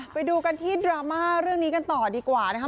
ไปดูกันที่ดราม่าเรื่องนี้กันต่อดีกว่านะครับ